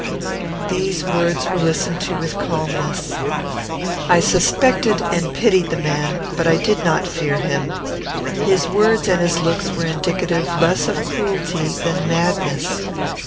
These words were listened to with calmness. I suspected and pitied the man, but I did not fear him. His words and his looks were indicative less of cruelty than madness.